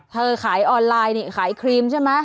เธอขายออนไลน์เนี่ยขายครีมใช่มั้ย